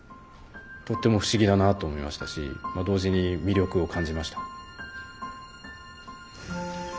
とっても不思議だなと思いましたしまあ同時に魅力を感じました。